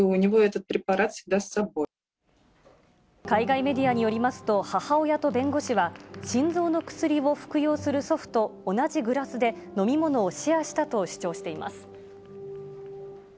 海外メディアによりますと母親と弁護士は、心臓の薬を服用する祖父と同じグラスで飲み物をシェアしたと主張しています。